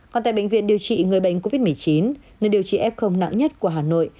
còn tại bệnh viện điều trị người bệnh covid một mươi chín nền điều trị f nặng nhất của hà nội